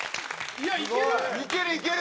いやいける！